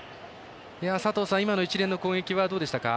今の一連の攻撃はどうでしたか？